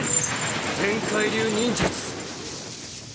天械流忍術！